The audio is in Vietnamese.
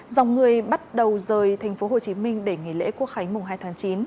dòng người bắt đầu rời tp hcm để nghỉ lễ quốc khánh mùng hai tháng chín